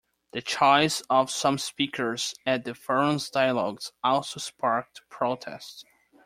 The choice of some speakers at the forum's "dialogues" also sparked protest.